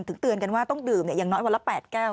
เตือนกันว่าต้องดื่มอย่างน้อยวันละ๘แก้ว